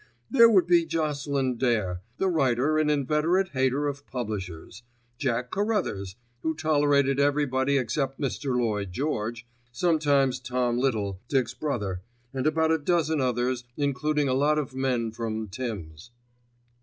There would be Jocelyn Dare, the writer and inveterate hater of publishers, Jack Carruthers, who tolerated everybody except Mr. Lloyd George, sometimes Tom Little, Dick's brother, and about a dozen others, including a lot of men from "Tims."